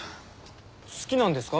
好きなんですか？